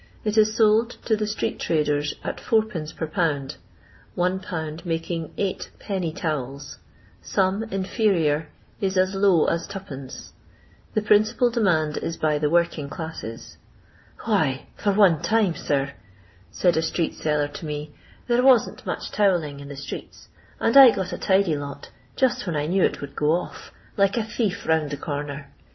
It is sold to the street traders at 4rf. per pound, 1 lb. making eight penny towels ; some (in ferior) is as low as 2d. The principal demand is by the working cUsses. '""Why, for one time, sir,'* said a street seller to me, " there wasn't much towelling in the streets, and I got a tidy lot, just when I knew it would go off, like a thief ruund a corner.